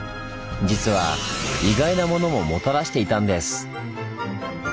実は意外なものももたらしていたんです！